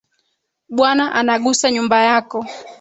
Bwana anagusa nyumba yako